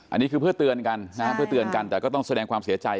อันนี้คือเพื่อเตือนกันแต่ก็ต้องแสดงความเสียใจ